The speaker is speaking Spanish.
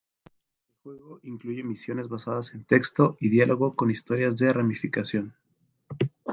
El juego incluye misiones basadas en texto y diálogo con historias de ramificación.